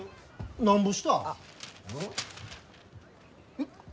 えっ。